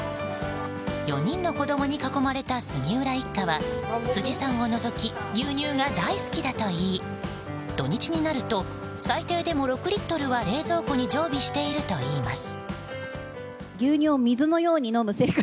４人の子供に囲まれた杉浦一家は辻さんを除き牛乳が大好きだといい土日になると最低でも６リットルは冷蔵庫に常備しているといいます。